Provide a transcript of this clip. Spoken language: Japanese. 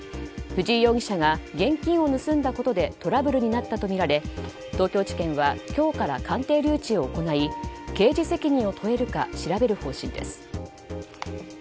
藤井容疑者が現金を盗んだことでトラブルになったとみられ東京地検は今日から鑑定留置を行い刑事責任を問えるか調べる方針です。